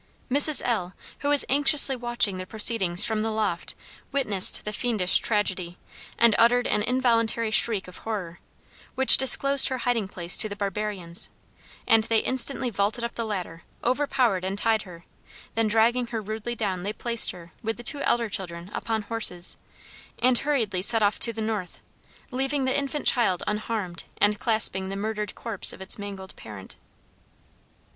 Mrs. L , who was anxiously watching their proceedings from the loft, witnessed the fiendish tragedy, and uttered an involuntary shriek of horror, which disclosed her hiding place to the barbarians, and they instantly vaulted up the ladder, overpowered and tied her; then dragging her rudely down, they placed her, with the two elder children, upon horses, and hurriedly set off to the north, leaving the infant child unharmed, and clasping the murdered corpse of its mangled parent.